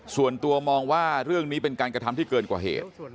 ส่วนตัวมองว่าเรื่องนี้เป็นการกระทำที่เกินกว่าเหตุ